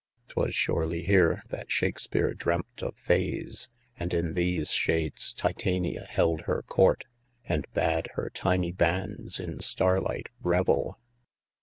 'Twas surely here, that Shakspeare dreamt of fays. And in these shades Titania held her court. And bade her tiny bands in starlight revel.